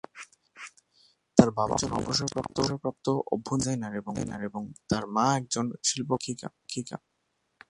তার বাবা হলেন একজন অবসরপ্রাপ্ত অভ্যন্তরীণ ডিজাইনার এবং তার মা একজন শিল্পকলার শিক্ষিকা।